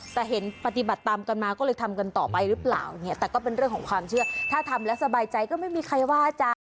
แต่เห็นปฏิบัติตามกันมาก็เลยทำกันต่อไปหรือเปล่าเนี่ยแต่ก็เป็นเรื่องของความเชื่อถ้าทำแล้วสบายใจก็ไม่มีใครว่าจะ